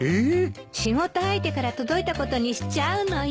仕事相手から届いたことにしちゃうのよ。